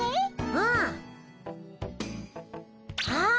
うん。あっ！